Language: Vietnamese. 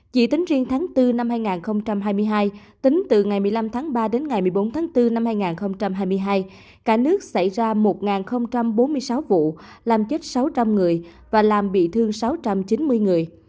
chỉ tính riêng tháng bốn năm hai nghìn hai mươi hai tính từ ngày một mươi năm tháng ba đến ngày một mươi bốn tháng bốn năm hai nghìn hai mươi hai cả nước xảy ra một bốn mươi sáu vụ làm chết sáu trăm linh người và làm bị thương sáu trăm chín mươi người